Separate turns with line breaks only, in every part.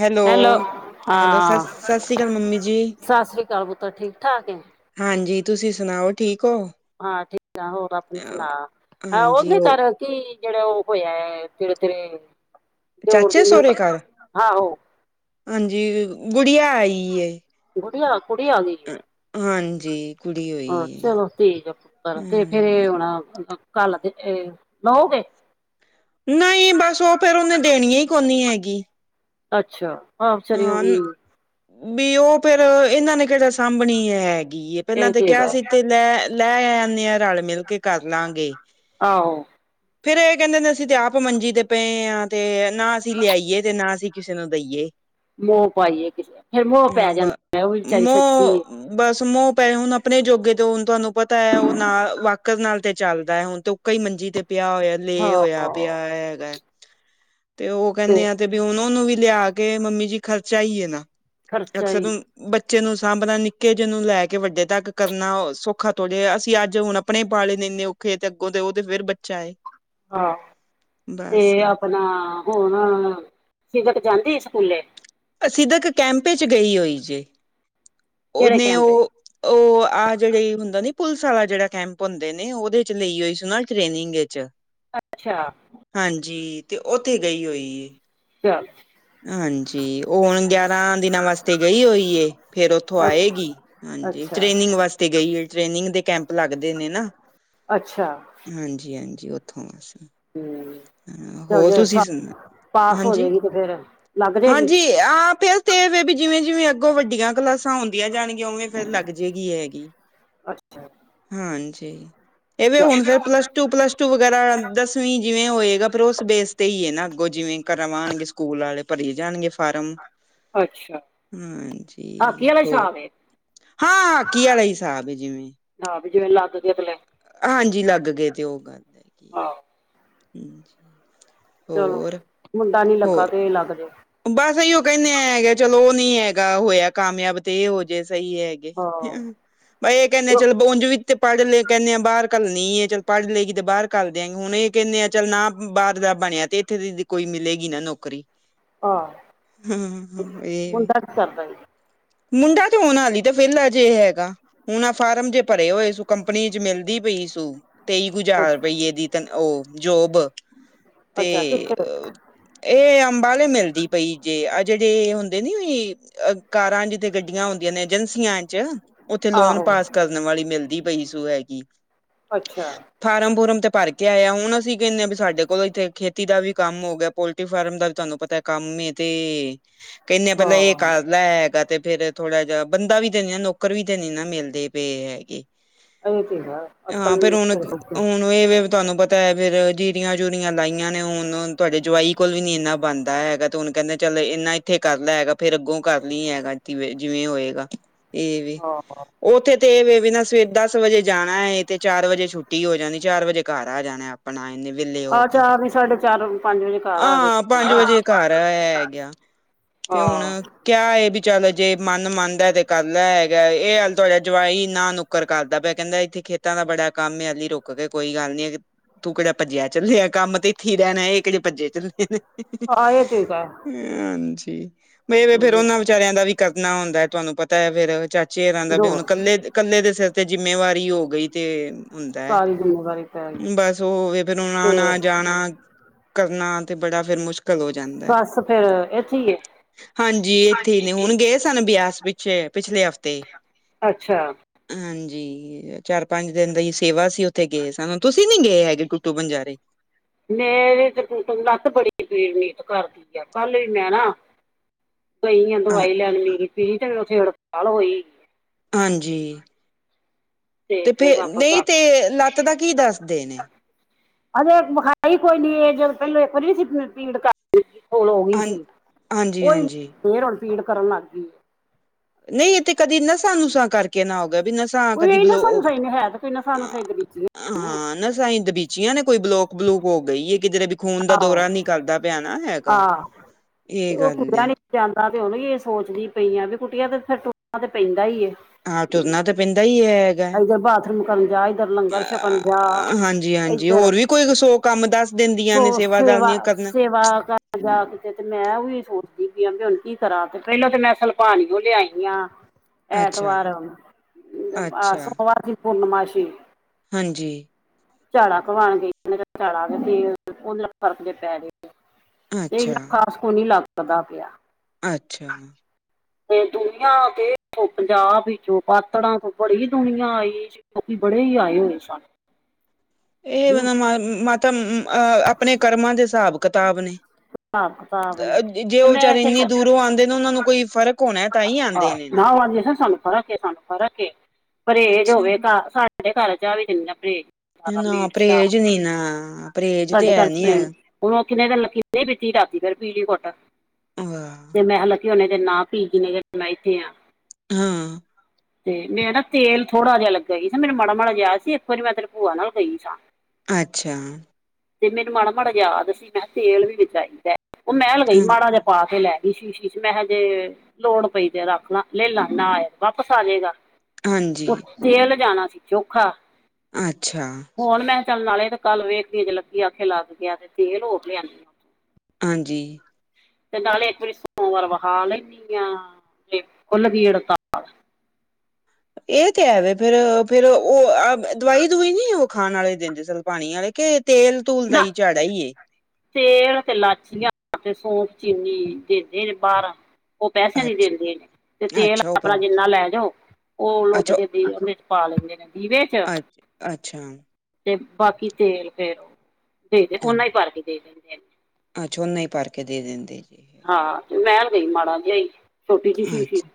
Hello, hello, ਸ
ਹਾਂ
ਸਤਿ ਸ੍ਰੀ ਅਕਾਲ ਮੰਮੀ ਜੀ।
ਸਤਿ ਸ੍ਰੀ ਅਕਾਲ ਪੁੱਤਰ ਠੀਕ ਠਾਕ ਹੈ
ਹਾਂਜੀ, ਤੁਸੀਂ ਸੁਣਾਓ ਠੀਕ ਔ?
ਹਾਂ ਠੀਕ ਆ ਹੋਰ ਆਪਣੇ ਸਣਾ?
ਹਾਂਜੀ
ਉਹਦੇ
ਉਹ
ਕ ਕਿ ਜਿਹੜਾ ਉਹ ਹੋਇਆ ਤੇਰੇ ਤੇਰੇ ਦਿਉਰ
ਚਾਚੇ ਸਹੁਰੇ ਘਰ
ਆਹੋ।
ਹਾਂਜੀ ਗੁੜੀਆ ਆਈ ਐ।
ਗੁੜੀਆਂ ਕੁੜੀਆਂ ਆ ਗਈ। ਹੈ
ਹਾਂਜੀ ਕੁੜੀ
ਆਹ
ਹੋਈ ਹੈ
ਚਲੋ ਠੀਕ ਐ, ਤੇ ਫਿਰ
ਹਾਂਜੀ
ਇਹ ਹੁਣ ਕੱਲ ਦੇ ਲਓਗੇ।
ਨਹੀਂ ਬਸ ਉਹ ਫਿਰ ਉਹਨੇ ਦੇਣ ਈ ਕੋਨੀ ਹੈਗੀ।
ਅੱਛਾ ਹਾਂ ਵਿਚਾਰੀ ਨੂੰ ਵੀ
ਵੀ ਉਹ ਫਿਰ ਇਹਨਾਂ ਨੇ ਕ ਸਾਂਭਣੀ ਹੈਗੀ ਐ ਪਹਿਲਾਂ
ਇਹ
ਤੇ ਕਿਹਾ
ਹੈਗਾ
ਸੀ ਤੇ ਲੈ ਲੈ ਆਨੇ ਆ ਰਲ ਮਿਲ ਕੇ ਕਰਲਾਂਗੇ।
ਆਓ।
ਫਿਰ ਇਹ ਕਹਿੰਦੇ ਅਸੀਂ ਤੇ ਆਪ ਮੰਜੀ ਤੇ ਪਏ ਹਾਂ ਤੇ ਨਾ ਅਸੀਂ ਲਿਆਈਏ ਤੇ ਨਾ ਅਸੀਂ ਕਿਸੇ ਨੂੰ ਦਈਏ।
ਮੋਹ ਪਾਈਏ ਕਿਸੇ, ਫੇਰ ਮੋਹ ਪੈ
ਹਾਂ ਬ
ਜਾਂਦਾ ਉਹ ਵੀ ਵਿਚਾਰੀ ਸੱਚੀ
ਮੋਹ
ਏ।
ਬਸ ਮੋਹ ਪਏ, ਹੁਣ ਆਪਣੇ ਜੋਗੇ ਤੇ ਹੁਣ ਤੁਹਾਨੂੰ ਪਤਾ ਆ ਉਹ ਨਾਲ ਵਾਕਰ ਨਾਲ ਤੇ ਚੱਲਦਾ ਹੈ ਹੁਣ ਤੇ ਕਈ ਮੰਜੀ ਤੇ ਪਿਆ ਹੋਇਆ ਲੇ
ਹਾਂ
ਹੋਇਆ ਪਿਆ ਹੈਗਾ ਤੇ ਉਹ ਕਹਿੰਨੇ ਆ ਤੇ ਵੀ ਹੁਣ ਉਹਨੂੰ ਵੀ ਲਿਆ ਕੇ ਮੰਮੀ ਜੀ ਖਰਚਾ ਹੀ ਆ ਨਾ,
ਖਰਚਾ
ਅਕਸਰ
ਹੀ
ਨੂੰ ਬੱਚੇ ਨੂੰ ਸਾਂਭਣਾ, ਨਿੱਕੇ ਜਿਹੇ ਨੂੰ ਲੈ ਕੇ ਵੱਡੇ ਤੱਕ ਕਰਨਾ ਸੌਖਾ ਥੋੜੇ ਅਸੀਂ ਅੱਜ ਹੁਣ ਆਪਣੇ ਪਾਲੇ ਨੇ ਇੰਨੇ ਔਖੇ ਤੇ ਅੱਗੋਂ ਤੇ ਉਹ ਤੇ ਫੇਰ ਬੱਚਾ ਏ।
ਆਹ, ਤੇ
ਬਸ
ਆਪਣਾ ਹੁਣ ਸਿਦਕ ਜਾਂਦੀ ਏ ਸਕੂਲੇ?
ਆ ਸਿਦਕ ਤੱਕ ਕੈਂਪ ਚ ਗਈ ਹੋਈ ਜੇ।
ਕਿਹੜੇ
ਓਨੇ
ਕੈਂਪ ਵਿੱਚ
ਉਹ ਉਹ ਆਹ ਜਿਹੜੇ ਹੁੰਦਾ ਨ ਪੁਲਿਸ ਵਾਲਾ ਜਿਹੜਾ ਕੈਂਪ ਹੁੰਦੇ ਨੇ ਉਹਦੇ ਲਈ ਹੋਈ ਸੀ ਟ੍ਰੇਨਿੰਗ '
ਅੱਛਾ।
ਹਾਂਜੀ ਤੇ ਉੱਥੇ ਗਈ ਹੋਈ ਏ।
ਚੱਲ
ਹਾਂਜੀ, ਉਹ ਹੁਣ ਗਿਆਰਾਂ ਦਿਨਾਂ ਵਾਸਤੇ ਗਈ ਹੋਈ ਫੇਰ ਉੱਥੋਂ
ਅੱਛਾ
ਆਏਗੀ। ਹਾਂਜੀ
ਅੱਛਾ
ਟ੍ਰੇਨਿੰਗ ਵਾਸਤੇ ਗਈ ਏ, ਟ੍ਰੇਨਿੰਗ ਦੇ ਕੈਂਪ ਲੱਗਦੇ ਨੇ ਨਾ।
ਅੱਛਾ
ਹਾਂਜੀ ਹਾਂਜੀ ਉੱਥੋਂ ਆ ਅਸੀਂ।
ਹੂੰ, ਚਲ ਜੇ ਸ
ਸੁਣਾ
ਪਾਸ ਹੋ ਜੇਗੀ ਤੇ ਫੇਰ ਲੱਗ ਜੇਗੀ।
ਆ ਫਿਰ ਤਾਂ ਬੀਬੀ ਜਿਵੇਂ ਜਿਵੇਂ ਅੱਗੋਂ ਵੱਡੀਆਂ ਕਲਾਸਾਂ ਹੁੰਦੀਆਂ ਦੀਆਂ ਜਾਣਗੀਆਂ ਉਵੇਂ ਫੇਰ ਲੱਗ ਜਏਗੀ ਹੈਗੀ,
ਅੱਛਾ
ਹਾਂਜੀ ਇਹਵੇ
ਚੱਲ
ਹੁਣ ਫਿਰ ਪਲੱਸ ਟੂ ਪਲੱਸ ਟੂ ਵਗੈਰਾ ਦਸਵੀਂ ਜਿਵੇਂ ਹੋਏਗਾ ਪਰ ਉਸ ਬੇਸ ਤੇ ਹੀ ਨਾ ਅੱਗੋਂ ਜਿਵੇਂ ਕਰਵਾਂਣਗੇ ਸਕੂਲ ਵਾਲੇ ਭਰੀ ਜਾਣਗੇ। ਫਾਰਮ
ਅੱਛਾ
ਹਾਂਜੀ
ਹਾਕੀ ਵਾਲਾ
ਹੋਰ,
ਹਿਸਾਬ ਏ
ਹਾਂ ਹਾਕੀ ਆਲਾ ਈ ਹਿਸਾਬ ਹੈ ਜਿਵੇਂ
ਹਾਂ ਵੀ ਜਿਵੇਂ ਲੱਗ ਗਏ ਤੇ ਲੈ
ਹਾਂਜੀ, ਲੱਗ ਗਏ ਤੇ ਉਹ ਗੱਲ ਹੈਗੀ।
ਹਾਂ।
ਹਾਂਜੀ।
ਚਲੋ
ਹੋਰ?
ਮੁੰਡਾ ਨੀ ਲੱਗਾ
ਹੋਰ
ਤੇ ਇਹ ਲੱਗ ਗਏ।
ਬਸ ਇਹੀਓ ਕਹਿੰਦੇ ਹੈਗਾ ਚਲੋ ਉਹ ਨੀ ਹੈਗਾ ਹੋਇਆ ਕਾਮਯਾਬ ਤੇ ਇਹ ਹੋ ਜੇ ਸਹੀ ਏ।
ਹਾਂ
ਬਾਈ ਇਹ ਕਹਿੰਨੇ ਆ ਚਲ ਉਂਜ ਵੀ ਤੇ ਪੜ੍ਹ ਲਏ ਕਹਿਨੇ ਆ ਬਾਹਰ ਘੱਲਣੀ ਏ ਚੱਲ ਪੜ੍ਹ ਲਏਗੀ ਤੇ ਬਾਹਰ ਘਲ ਦਿਆਂਗੇ। ਹੁਣ ਇਹ ਕਹਿੰਦੇ ਆ ਚੱਲ ਨਾ ਬਾਹਰ ਦਾ ਬਣਿਆ। ਤੇ ਇੱਥੇ ਦੀ ਕੋਈ ਮਿਲੇਗੀ ਨਾ ਨੌਕਰੀ
ਆ
ਹੁੰ-ਹੁੰ, ਏ ਵੇ।
ਈ
ਮੁੰਡਾ ਤੇ ਹੋਣ ਹਾਲੀ, ਤੇ ਵੇਲਾ ਜੇ ਹੈਗਾ। ਹੁਣ, ਆਂ ਫਾਰਮ ਜੇ ਪਰੇ ਹੋਏ ਸੁ, ਕੰਪਨੀ ਚ ਮਿਲਦੀ ਪਈ ਸੂ। ਤੇਈ ਕੁ
ਅੱਛ
ਜ਼ਾਰ ਰੁਪਈਏ ਦੀ ਤ ਔ ਜੋਬ ਤੇ
ਅੱਛਾ ਕਿੱਥੇ
ਏ ਅੰਬਾਲੇ ਮਿਲਦੀ ਪਈ ਜੇ, ਆ ਜੜੇ ਹੁੰਦੇ ਨੀ ਅ ਕਾਰਾਂ ਜੀਧੇ ਗੱਡੀਆਂ ਹੁੰਦੀਆਂ ਨੇ, ਏਜੰਸੀਆਂ ਚ। ਔਥੇ, ਲੋਨ
ਆਹੋ
ਪਾਸ ਕਰਨ ਵਾਲੀ ਮਿਲਦੀ ਪਈ ਸੂ ਹੈਗੀ।
ਅੱਛਾ।
ਫਾਰਮ-ਫੁਰਮ ਤੇ ਭਰ ਕੇ ਆਇਆ ਐ। ਹੁਣ ਅਸੀਂ ਕੈਨੇ ਆਂ, ਵੀ ਸਾਡੇ ਕੋਲ ਇੱਥੇ ਖੇਤੀ ਦਾ ਵੀ ਕੰਮ ਹੋ ਗਿਆ, ਪੋਲਟਰੀ ਫਾਰਮ ਦਾ ਵੀ, ਤੁਆਨੂੰ ਪਤਾ ਕੰਮ ਏ, ਤੇ ਕੈਨੇ ਆ, ਪੈਲਾਂ ਏ
ਹਾਂ
ਕਰ ਲੈ ਹੈਗਾ, ਤੇ ਫੇਰ ਥੋੜਾ ਜਾ ਬੰਦਾ ਵੀ, ਤੇ ਨੀ ਨਾ ਨੌਕਰ ਵੀ, ਤੇ ਨੀ ਨਾ ਮਿਲਦੇ ਪਏ ਹੈਗੇ।
ਅ ਤੇ ਹੈ, ਅੱਜ-ਕੱਲ੍ਹ [unintelligible]
ਏਵੇ, ਤੁਆਨੂੰ ਪਤਾ ਐ, ਫੇਰ ਜੀਰੀਆਂ-ਜੁਰੀਆਂ ਲਾਈਆਂ ਨੇ। ਹੁਣ ਤੁਆਡੇ ਜਵਾਈ ਕੋਲ ਵੀ ਨੀ ਇੰਨਾ ਬਣੱਦਾ ਹੈ ਐ, ਤੇ ਹੁਣ ਕੈੱਦੇ ਚੱਲ, ਏਨਾ ਏੱਥੇ ਕਰ ਲੈ ਹੈਗਾ। ਫੇਰ ਅੱਗੋਂ ਕਰ ਲੀ ਹੈਗਾ, ਤਿਵੇਂ-ਜਿਵੇਂ ਹੋਏਗਾ। ਏ, ਵੇ।
ਹਾਂ
ਔਥੇ ਤੇ ਏ ਵੇ ਵੀ ਨਾ, ਸਵੇ ਦਸ ਵਜੇ ਜਾਣਾ ਏ, ਤੇ ਚਾਰ ਵਜੇ ਛੁੱਟੀ ਹੋ ਜਾਣੀ। ਚਾਰ ਵਜੇ ਕਾਰ ਆ ਜਾਣਾ ਅਪਣਾ, ਏਨੇ ਵੇਲੇ ਹੋ
ਆ
ਕੇ,
ਚਾਰ ਨੀ ਸਾਢੇ ਚਾਰ ਪੰਜ ਵਜੇ ਘਰ ਆ ਜੇ
ਆਂ ਪੰਜ
ਹਾਂ
ਵਜੇ ਕਰ ਆਯਾ ਅਗਿਆ, ਤੇ ਹੁਣ ਕਿਆ, ਏ ਵੀ ਚੱਲ ਜੇ, ਮਨ ਮੰਨਦਾ ਤੇ ਕਰਲੈ ਹੈਗਾ। ਏ ਹੱਲ ਤੁਆਡਾ ਜਵਾਈ ਨਾ-ਨੂੰ ਕਰ ਕਰਦਾ ਪਿਆ, ਕੈਂਦਾ ਏੱਥੇ ਖੇਤਾਂ ਦਾ ਬੜਾ ਕੰਮ ਏ, ਹਲੀ ਰੁਕ ਕੇ ਕੋਈ ਗੱਲ ਨੀ ਤੂੰ ਕੇੜਾ ਪਜਿਆ ਚੱਲਿਆ, ਕੰਮ ਤੇ ਏੱਥੇ ਰੈਣਾ, ਇਹ ਕੇੜੇ ਭੱਜੇ ਚੱਲੇ ਨੇ।
ਹਾਂ, ਇਹ ਠੀਕ ਹੈ।
ਹਾਂਜੀ, ਮੇ ਫੇਰ ਔਨਾਂ ਵਿਚਾਰਿਆਂ ਦਾ ਵੀ ਕਰਨਾ ਹੁੰਦਾ, ਤੁਆਨੂੰ ਪਤਾ ਹੈ, ਫਿਰ 'ਚ ਚੇ ਹੋਨਾ ਦਾ, ਤੇ ਹੁਣ
ਹੋਰ
ਕੱਲੇ-ਕੱਲੇ ਦੇ ਸੇਰ ਤੇ ਜਿੰਮੇਵਾਰੀ ਹੋ ਗਈ ਤੇ ਹੁੰਦਾ ਐ,
ਸਾਰੀ ਜਿੰਮੇਵਾਰੀ ਪੈ ਗਈ
ਬਸ ਔ ਹੋਵੇ ਫੇਰ ਆਣਾ
ਤੇ
ਜਾਣਾ ਕਰਨਾ, ਤੇ ਬੜਾ ਫੇਰ ਮੁਸ਼ਕ ਕਲ ਹੋ ਜਾਂਦ
ਬਸ ਫੇਰ ਏ
ਹਾਂਜੀ, ਏੱਥੇ ਹੀ ਨੇ ਹੁਣ ਗਏ ਸਨ, ਬਿਆਸ ਪਿੱਛੇ ਪਿਛਲੇ ਹਫ਼ਤੇ।
ਅੱਛਾ।
ਹਾਂਜੀ, ਚਾਰ-ਪੰਜ ਦਿਨ ਦਾ ਈ ਸੇਵਾ ਸੀ ਉੱਥੇ ਗਏ ਸਨ, ਤੁਸੀਂ ਨੀ ਗਏ ਹੈਗੇ, ਕੁੁੱਟੂ ਬੰਜਾਰੇ।
ਮੇਰੀ ਤੇ ਤੂੰ ਤ ਲੱਤ ਬੜੀ ਪੀੜ ਬੜੀ ਨੀ ਕਰਦੀ ਐ, ਕੱਲ ਵੀ ਮੈਂ ਨਾ ਗਈ ਆ,
ਹਾਂ
ਦਵਾਈ ਲੈਣ ਮੀਰੀ-ਪੀਰੀ, ਤੇ ਔਥੇ ਹੜਤਾਲ ਹੋਈ।
ਹਾਂਜੀ, ਤੇ ਫੇ
ਫੇਰ ਵਾਪਸ
ਨਈ,
ਆ
ਤੇ ਲੱਤ ਦਾ ਕੀ ਦੱਸਦੇ ਨੇ?
ਹਜੇ, ਵਖਾਈ ਕੋਈ ਨੀ, ਏ ਜਦੋਂ ਪੈਲੋ ਏੱਕ ਵਾਰੀ ਨੀ ਸੀ ਪੀੜ ਕਰ [unintelligible] ਹੋ ਗਈ
ਹਾਂ
ਸੀ,
ਹਾਂਜੀ
ਔਹੀ
ਹਾਂਜੀ
ਫੇਰ ਹੁਣ ਪੀੜ ਕਰਨ ਲੱਗ ਗੀ।
ਨਈ ਏ, ਤੇ ਕਦੀ ਨਸਾਂ-ਨੁਸਾ ਕਰਕੇ ਨਾ ਹੋ ਗਿਆ। ਵੀ ਨਸ
ਔਈ ਨਾ ਨਸਾ-ਨੁਸਾ ਈ ਨੇ ਹੈ, ਤੇ ਫੇਰ ਨਸਾ-ਨੁਸਾ ਦੇ ਵਿੱਚ ਈਏ।
ਹਾਂ, ਨਸਾ ਈ ਦਬੀਚੀਆਂ ਨੇ ਕੋਈ ਬਲੋਕ-ਬਲੂਕ ਹੋ ਗਈਏ ਕਿਧਰੇ ਖੂਨ ਦਾ
ਆਹੋ
ਦੌਰਾ ਨੀ ਕਰਦਾ ਪਿਆ ਨਾ
ਆ
ਹੈਗਾ, ਏ
ਤੇ ਉਹ
ਗੱਲ
ਤੁਰਿਆ
ਏ।
ਨਹੀਂ ਜਾਂਦਾ ਤੇ ਔਦੌ ਏ ਸੋਚਦੀ ਪਈਆਂ ਵੀ ਕੁਟੀਆਂ, ਤੇ ਫੇਰ ਤੁੱਰਣਾ ਤੇ ਪੈਂਦਾ ਈ ਏ।
ਹਾਂ ਤੁਰਨਾ ਤਾਂ ਪੈਂਦਾ ਈ ਹੈ ਹੈਗਾ,
ਇੱਧਰ ਬਾਥਰੂਮ ਕਰਨ ਜਾ ਇੱਧਰ ਲੰਗਰ ਛਕਣ ਜਾ
ਹਾਂਜੀ। ਜੀ ਹਾਂਜੀ,
ਇੱਧਰ
ਹੋਰ ਵੀ ਕੋਈ ਸੌ ਕੰਮ ਦੱਸ ਦਿੰਦੀਆਂ ਨੇ ਸੇਵਾਦਾਰਨੀਆਂ, ਕਰਨਾ ਐ
ਜਵਾਕ ਆਂ ਜਵਾਕ ਕਿਤੇ ਤੇ ਮੈਂ ਔਈ ਸੋਚਦੀ ਪੀਆਂ ਵੀ ਹੁਣ ਕੀ ਕਰਾਂ, ਤੇ ਪੈਲੋ ਤੇ ਮੈਂ ਸਲਪਾਨਔ ਲਿਆਈ ਯਾਂ।
[inaudible]
ਐਤਵਾਰ, ਆਂ
ਅੱਛਾ,
ਸੋਮਵਾਰ ਦੀ ਪੂਰਨਮਾਸ਼ੀ।
ਹਾਂਜੀ।
ਝਾੜੲ ਕਰਵਾਣ ਗਈ ਸੀ, ਮੈਂ ਕਿਆ ਚਾੜਾ ਤੇ [unintelligible] ਔਦੇ ਨਾਲ ਫਰਕ ਜੇ ਪੈਜੇ। ਤੇ
ਅੱਛਾ,
ਇੰਨਾ ਖਾਸ ਕੋ ਨੀ ਲੱਗਦਾ ਪਿਆ।
ਅੱਛਾ।
ਤੇ ਦੁਨੀਆਂ ਦੇ ਪੰਜਾਬ ਵਿੱਚੋਂ, ਪਾਤੜਾਂ ਤੋਂ ਬੜੀ ਦੁਨੀਆਂ ਆਈ। ਲੋਕੀ ਬੜੇ ਹੀ ਆਏ ਹੋਏ ਸਨ।
ਇਹ ਮ ਮ ਮਾਤਾ, ਅਹ ਆਪਣੇ ਕਰਮਾਂ ਦੇ ਹਿਸਾਬ ਕਿਤਾਬ ਨੇ।
ਹਿਸਾਬ ਕਿਤਾਬ ਨੇ
ਜੇ
ਤੇ
ਓ
ਮੈਂ
ਵਿਚਾਰੇ
ਇੱਥੇ
ਇੰਨੀ ਦੂਰੋਂ ਆਂਦੇ ਨੇ ਓਨਾਂ ਨੂੰ ਕੋਈ ਫ਼ਰਕ ਹੋਨੈ ਤਾਂਈਂ ਆਂਦੇ
ਆਹ
ਨੇ ਨਾ।
ਉਹ ਆਂਦੀ ਸੀ ਸਾਨੂੰ ਫਰਕ ਏ ਸਾਨੂੰ ਫਰਕ ਏ, ਪਰਹੇਜ਼
ਅੱਛਾ
ਹੋਵੇ ਘਰ ਸਾਡੇ ਘਰ ਚ ਆ ਵੀ ਜਨੀ ਨਾ ਪਰਹੇਜ਼। ਸਾਰਾ
ਨਾ
ਮੀਟ ਸ਼ਰਾਬ
ਪਰਹੇਜ਼ ਨੀ ਨਾ ਪਰਹੇਜ ਤੇ
ਸਾਡੇ ਘਰ
ਹੈ
ਚ
ਨੀ
ਹੁਨ,
ਹੈਗਾ
ਹੁਨ ਲੱਕੀ ਨੇ ਲੱਕੀ ਨੇ ਨਈ ਪੀਤੀ ਰਾਤੀ ਫੇਰ ਪੀਲੀ ਘੁੱਟ।
ਅ
ਤੇ ਮੈਂ ਹਾਲਾਂਕਿ ਓਨੇ ਦਿਨ ਨਾਂ ਪੀ ਜਿਨੇ ਦਿਨ ਮੈਂ ਏਥੇ ਆਂ।
ਹਾਂ।
ਤੇ ਮੇਰੇ ਨਾ ਤੇਲ ਥੋੜਾ ਜਾ ਲੱਗਾ ਸੀ ਮੇਰੇ ਮਾੜਾ-ਮਾੜਾ ਯਾਦ ਸੀ ਇੱਕ ਵਾਰੀ ਮੈਂ ਤੇਰੀ ਭੂਆ ਨਾਲ ਗਈ ਸਾਂ।
ਅੱਛਾ।
ਤੇ ਮੈਨੂੰ ਮਾੜਾ-ਮਾੜਾ ਯਾਦ ਸੀ ਮੈਂ ਕਿਆ ਤੇਲ ਵੀ ਵਿੱਚ ਆਈ ਦਾ, ਓ ਮੈਂ ਲਗਈ
ਹ
ਮਾੜਾ ਜਾ ਪਾ ਕੇ ਲੈ ਸ਼ੀਸ਼ੀ ਚ ਮੈਂ ਹਜੇ ਲੋੜ ਪਈ ਤੇ ਰੱਖ ਲਾਂ ਲੈਲਾ ਨਾ ਆਏਆ ਵਾਪਸ ਆ ਜੇਗਾ।
ਹਾਂਜੀ।
ਤੇਲ ਜਾਨਾ ਸੀ ਚੋਖਾ।
ਅੱਛਾ।
ਹੁਨ ਮੈਂ ਕਿਆ ਚੱਲਨ ਵਾਲੇ ਤੇ ਕੱਲ ਵੇਖਦੀ ਜੇ ਲੱੱਕੀ ਆਖੇ ਲੱਗ ਗੇਆ ਤੇਲ ਹੋਰ ਲਿਆਨੀ ਆਂ।
ਹਾਂਜੀ।
ਤੇ ਨਾਲੇ ਇੱਕ ਵਾਰੀ ਸੋ ਵਾਰ ਵਾ ਹਾਲ [unintelligible] ਤੇ ਕੁੱਲ ਦੀ ਹੜਤਾਲ
ਏਹ ਤਾਂ ਐਵੇਂ ਫੇਰ-ਫੇਰ ਓ ਦਵਾਈ-ਦੁਵਾਈ ਨੀ ਓ ਖਾਨ ਆਲੇ ਦਿੰਦੇ ਸੋਨੂੰ ਪਾਨੀ ਆਲੇ। ਕੇ ਤੇਲ ਤੂਲ ਦਾ ਈ ਚਾੜਾ ਈ ਏ।
ਤੇਲ ਤੇ ਲਾਚੀਆਂ ਤੇ ਸੌਫ ਚੀਨੀ ਦਿੰਦੇ ਨੇ ਬਾਰਾਂ ਓ ਪੈਸੇਆਂ ਦੀ
ਅੱਛਾ
ਦਿੰਦੇ ਨੇ ਤੇ ਤੇਲ
ਅੱਛਾ ਉਹ
ਆਪਨਾ
ਪੈ
ਜਿੰਨਾ ਲੈ ਜਾਓ ਓ ਲੁੱਦ
ਅੱਛਾ
ਕੇ ਦੇ ਪਾ ਲੈਂਦੇ ਨੇ। ਦੀਵੇ ਚ
ਅੱਛ ਅੱਛਾ
ਤੇ ਬਾਕੀ ਤੇਲ ਫੇਰ, ਦੇ-ਦੇ
ਹਾਂ,
ਓਨਾ ਈ ਭਰ ਕੇ ਦੇ-ਦੇ।
ਅੱਛਾ ਓਨਾ ਈ ਭਰ ਕੇ ਦੇ ਦਿੰਦੇ ਨੇ।
ਹਾਂ ਤੇ ਮਹਿਲ ਗਈ ਮਾੜਾ ਜਈ।
ਅੱਛਾ,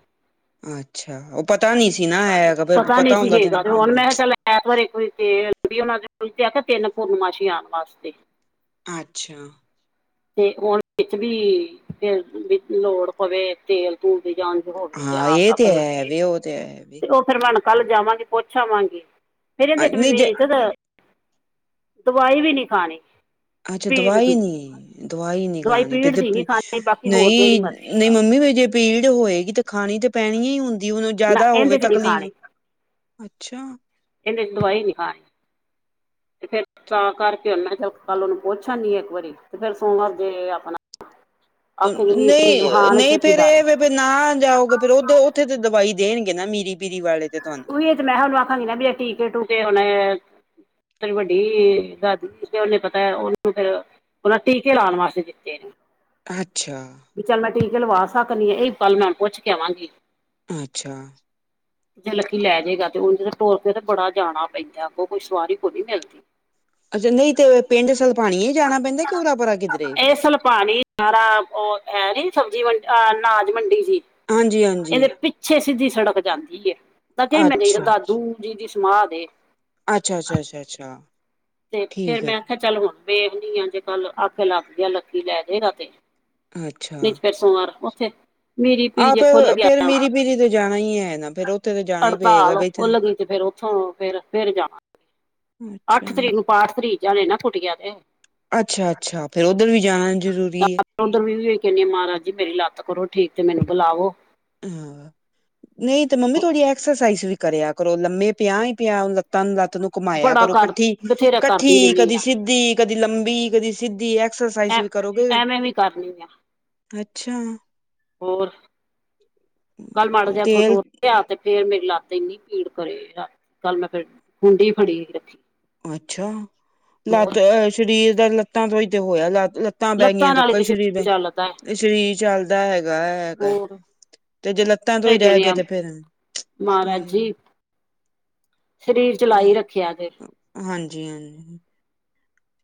ਅੱਛਾ ਓ ਪਤਾ ਨੀ ਸੀ ਨਾ ਹੈਗਾ ਫੇਰ
ਨੀ
ਪਤਾ
ਸੀ
ਹੁੰਦਾ ਤੇ
ਹੈਗਾ ਹੁਣ
ਹਾਂ
ਮੈਂ ਕਿਹਾ ਚੱਲ ਐਤਵਾਰ ਇਕ ਵਾਰੀ ਤੇਲ ਓਨਾਂ ਦੇ ਕੋ ਤਿੰਨ ਪੂਰਨਮਾਸ਼ੀ ਆਨ ਵਾਸਤੇ।
ਅੱਛਾ।
ਤੇ ਹੁਨ ਵਿੱਚ ਵੀ ਤੇਲ ਵੀ ਲੋੜ ਪਵੇ ਤੇਲ ਤੂੰ ਦੀ ਜਾਨ ਦੀ ਹੋਗੀ ਤੇ
ਹਾਂ
ਆਸ
ਇਹ
ਊਸ
ਤੇ ਹੈ
ਲੱਗੀ
ਵੇ ਉਹ ਹੈ ਵੇ
ਤੇ ਓ ਫਿਰ ਮੈਂ ਹੁਨ ਕੱਲ ਜਾਵਾਂਗੀ ਪੁੱਛ ਆਵਾਂਗੀ, ਫੇਰ ਕੈਂਦੇ
ਅ, ਨਹੀਂ ਜੇ
[unintelligible] ਦਵਾਈ ਵੀ ਨੀ ਖਾਨੀ।
ਅੱਛਾ ਦਵਾਈ ਨੀ ਏ। ਦਵਾਈ ਨੀ ਖਾਨੀ
ਪੀੜ
ਵਿਦ
ਦੀ ਨਹੀਂ ਖਾਣੀ ਬਾਕੀ ਹੋਰ ਜਿਹੜੀ ਮਰਜ਼ੀ
ਨਈਂ-ਨਈਂ ਮੰਮੀ ਵੀ ਜੇ ਪੀੜ ਹੋਏਗੀ ਤੇ ਖਾਨੀ ਤੇ ਪੈਨੀ ਹੁੰਦੀ ਓਨੂੰ
ਨਾ
ਜਾਦਾ ਹੋਵੇ
ਇਹਦੇ ਚ ਨਹੀਂ
ਤਕਲੀਫ਼
ਖਾਣੀ
ਅੱਛਾ।
ਏਨੇ ਦਵਾਈ ਨੀ ਖਾਨੀ, ਤੇ ਫੇਰ ਤਾਂ ਕਰਕੇ ਮੈ ਕਿਆ ਚੱਲ ਕੱਲ ਓਨੂੰ ਪੁੱਛ ਆਨੀ ਆ ਇੱਕ ਵਾਰੀ ਤੇ ਫੇਰ ਸੋਮਵਾਰ ਜੇ ਆਪਨਾ
ਨਈ-ਨਈ
ਛੇਤੀ
ਫੇਰ
ਦਾਰੇ
ਏਹ ਵੇ ਫੇਰ ਨਾ ਜਾਓਗੇ ਫੇਰ ਓ ਉੱਥੇ ਤੇ ਦਵਾਈ ਦੇਨਗੇ ਨਾ ਮੀਰੀ ਪੀਰੀ ਵਾਲੇ ਤੇ ਤਹਾਨੂੰ।
ਓਹੀ ਤੇ ਏਹ ਮੈਂ ਓਹਨੂੰ ਆਖਾਂਗੀ ਨਾ ਵੀ ਏ ਟੀਕੇ ਟੂਕੇ ਹੁਨ ਤੇਰੀ ਵੱਡੀ ਦਾਦੀ ਤੇ ਓਨੇ ਪਤਾ ਓਨੂੰ ਫੇਰ ਓਨਾਂ ਟੀਕੇ ਲਾਨ ਵਾਸਤੇ ਦਿੱਤੇ ਨੇ।
ਅੱਛਾ।
ਵੀ ਚੱਲ ਮੈਂ ਟੀਕ ਲਵਾ ਸਕਨੀਏ, ਇਹ ਗੱਲ ਮੈਂ ਪੁੱਛ ਕੇ ਆਵਾਂਗੀ।
ਅੱਛਾ।
ਜੇ ਲਕੀ ਲੈ ਜਾਏਗਾ ਤੇ, ਉਹ ਜ ਟੋਲ ਕੇ ਤੇ ਬੜਾ ਜਾਣਾ ਪੈਂਦਾ, ਕੋਈ ਸਵਾਰੀ ਕੋ ਨੀ ਮਿਲਦੀ।
ਅੱਛਾ ਨਹੀਂ ਤੇ ਪਿੰਡ ਸਲਪਾਣੀ ਹੀ ਜਾਣਾ ਪੈਂਦਾ, ਕਿ ਉਰਾ ਪੁਰਾ ਕਿਧਰੇ ਵੀ
ਇਹ ਸਲਪਾਣੀ ਸਾਰਾ ਉਹ ਹੈ ਨੀ ਸਬਜ਼ੀ ਮੰਡੀ ਅਹ ਨਾਨਾਜ ਮੰਡੀ ਸੀ,
ਹਾਂਜੀ ਹਾਂਜੀ
ਇਹਦੇ ਪਿੱਛੇ ਸਿੱਧੀ ਸੜਕ ਜਾਂਦੀ ਏ, ਤਾਂ ਕ ਮੈ ਨਹੀਂ
ਅੱਛਾ
ਦਾਦੂ ਜੀ ਦੀ ਸਮਾਦ ਏ।
ਅੱਛਾ ਅੱਛਾ, ਅੱਛਾ ਅੱਛਾ।
ਤੇ ਫੇਰ
ਠੀਕ ਹੈ
ਮੈਂ
ਜੀ।
ਆਖਿਆ ਚੱਲ ਹੁਣ ਵੇਵਨੀ ਆ, ਜੇ ਕੱਲ ਆਖੇ ਲੱਗ ਦੀ ਆ ਲੱਕੀ ਲੈ ਜੇਗਾ ਤੇ
ਅੱਛਾ
ਨੀ ਫਿਰ ਸੋਮਵਾਰ ਉਥੇ ਮੀਰੀ ਪੀਰੀ
ਆਪ
ਜੇ ਖੁੱਲ ਗਿਆ,
ਫੇਰ ਮੀਰੀ ਪੀਰੀ ਤੇ ਜਾਣਾ ਹੀ ਹੈ ਨਾ ਫੇਰ ਉੱਥੇ ਤੇ ਜਾਣਾ ਹੀ ਪਏਗਾ
ਹੜਤਾਲ
ਬਈ
ਖੁੱਲ ਗਈ ਤੇ ਫੇਰ ਉੱਥੋਂ ਫਿਰ ਫਿਰ ਜਾਵਾ, ਅੱਠ
ਅੱਛਾ
ਤਰੀਕ ਨੂੰ ਪਾਠ ਤਰੀਕ ਜਾਣੇ ਨਾ ਕੁਟੀਆਂ ਦੇ। ਹ-
ਅੱਛਾ-ਅੱਛਾ, ਫੇਰ ਉੱਧਰ ਵੀ ਜਾਣਾ ਜ਼ਰੂਰੀ ਏ,
ੳਦਰ ਵੀ ਕਹਿੰਦੀ ਆ ਮਹਾਰਾਜ ਜ, ਮੇਰੀ ਲੱਤ ਕਰੋ ਠੀਕ ਤੇ ਮੈਨੂੰ ਬੁਲਾਵੋ।
ਹਾਂ, ਨਹੀਂ ਤੇ ਮੰਮੀ ਥੋੜੀ ਐਕਸਰਸਾਈਜ਼ ਵੀ ਕਰਿਆ ਕਰੋ, ਲੰਮੇ ਪਿਆ ਹੀ ਪਿਆ ਲੱਤਾਂ ਨੂੰ ਲੱਤ ਨੂੰ ਕਮਾਇਆ
ਬੜਾ
ਕਰੋ,
ਕਰ
ਕੱਠੀ
ਬਥੇਰਾ ਕਰਦੀ
ਕੱਠੀ,
ਰਹਿੰਦੀ
ਕਦੀ
ਆ
ਸਿੱਧੀ ਕਦੀ ਲੰਬੀ, ਕਦੀ ਸਿੱਧੀ, ਐਕਸਰਸਾਈਜ਼
ਐ
ਵੀ ਕਰੋਗੇ,
ਐਵੇਂ ਵੀ ਕਰਨੀ ਆ
ਅੱਛਾ!
ਹੋਰ, ਕੱਲ ਮਾੜ ਜ ਤੁਥੋ
ਤੇਲ
ਹੋਰ ਆ ਤੇ ਫੇਰ ਮੇਰੀ ਲੱਤ ਇੰਨੀ ਭੀੜ ਕਰੇ, ਰਾ ਕੱਲ ਮੈਂ ਫੇਰ ਕੁੰਡੀ ਫੜੀ ਰੱਖੀ।
ਅੱਛਾ!
ਹੋਰ
ਲੱਤ ਸਰੀਰ ਦਾ ਲੱਤਾਂ ਤੋਂਈ ਤੇ ਹੋਇਆ ਲ ਲੱਤਾਂ ਬੈਠ ਗਈਆਂ ਤੇ
ਨਾਲ
ੳਕਾ ਹੀ
ਫਿਰ
ਸਰੀਰ,
ਚੱਲਦਾ ਹੈ
ਇਹ ਸਰੀਰ ਚੱਲਦਾ ਹੈਗਾ ਹੈਗਾ
ਹੋਰ
ਤੇ ਜੇ ਲੱਤਾਂ ਤੋਂ ਹੀ
ਇਹ ਕਹਿੰਦੇ
ਰਹਿਗੇਏ
ਆ
ਤੇ ਫੇਰ
ਮਹਾਰਾਜ ਜੀ ਸਰੀਰ ਚਲਾਈ ਰੱਖਿਆ ਜੇ
ਹਾਂਜੀ ਹਾਂਜੀ।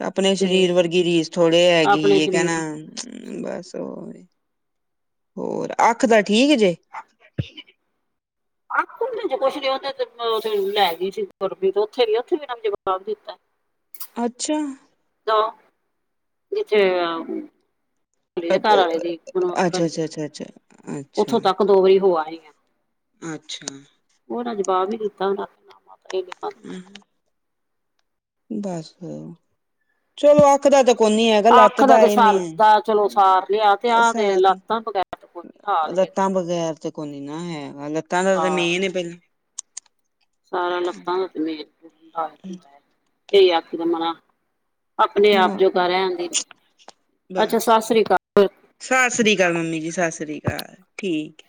ਆਪਣੇ ਸਰੀਰ
ਤੇ
ਵਰਗੀ ਰੀਸ ਥੋੜ੍ਹੇ
ਆਪਣੇ
ਹੈਗੀ,
ਸਰੀਰ ਨੂੰ
ਕਹਿਣਾਮ ਬਸ ਉਹ ਹੋਰ ਅਖ ਤਾਂ ਠੀਕ ਜੇ?
ਅਖ ਤੇ ਕੁਛ ਨ ਉਹ ਤੇੇ ਲੈ ਗਈ ਸੀ ਗੁਰਬੀ, ਤੇ ਉੱਥੇ ਨੀ ਉੱਥੇ ਵੀ ਨ ਜਬ ਦਿੱਤਾ।
ਅੱਛਾ!
ਦੋ, ਜਿੱਥੇ ਘਰ
ਅੱਛਾ
ਆ ਦੀ ਹੁਣ
ਅੱਛਾ
ਬਣੀ
ਅੱਛਾ, ਅੱਛਾ। ਅੱਛਾ
ਉੱਥੋਂ ਤੱਕ ਦੋ ਵਾਰੀ ਹੋ ਆ ਹੀ ਆ।
ਅੱਛਾ।
ਉਹਨਾਂ ਜਵਾਬ ਨੀ ਦਿੱਤਾ, ਉਹ ਮਾਤਾ ਇਹਨਾਂ
ਹਮ। ਬੱਸ ਚਲੋ ਅਖਦਾ ਤਾਂ ਕੋ ਨ ਹੈਗਾ, ਲੱਤ
ਅੱਖ
ਦਾ
ਤੇ ਸਰ
ਵੇਂ
ਦਾ ਚਲੋ ਸਾਰ ਲਿਆ ਤੇ ਆਹ ਤੇ ਲੱਤਾਂ ਬਗੈਰ ਤੇ ਕੋਈ ਨੀ ਹਾਲ ਹੈਗਾ
ਲੱਤਾਂ ਬਗੈਰ ਤੇ ਕੋਈ ਨੀ ਨਾ ਹੈਗਾ, ਲੱਤਾਂ ਦਾ ਤਾਂ
ਹਾਂ
ਮੇਨ ਪਹਿਲਾਂ
ਸਾਰਾ ਲੱਤਾਂ ਦਾ ਮੇਨ ਹੁੰਦਾ ਹੈ। ਇਹੀ ਆਖੀਦਾ ਮਾ ਆਪਣੇ ਆਪ
ਹਾਂ
ਜੋ ਕਰ ਆਦੀ, ਅੱਛਾ
ਬਸ
ਸਤਿ ਸ਼੍ਰੀ ਅਕਾਲ।
ਸਤਿ ਸ਼੍ਰੀ ਅਕਾਲ ਮੰਮੀ ਜੀ, ਸਤਿ ਸ਼੍ਰੀ ਅਕਾਲ, ਠੀਕ।